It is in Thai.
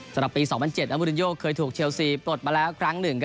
สำหรับปี๒๐๐๗อามุรินโยเคยถูกเชลซีปลดมาแล้วครั้งหนึ่ง